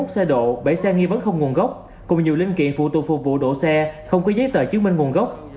hai mươi một xe độ bảy xe nghi vấn không nguồn gốc cùng nhiều linh kiện phụ tùng phục vụ độ xe không có giấy tờ chứng minh nguồn gốc